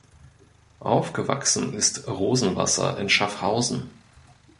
Aufgewachsen ist Rosenwasser in Schaffhausen.